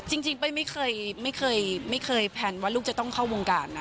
จริงเป้ยไม่เคยแพลนว่าลูกจะต้องเข้าวงการนะ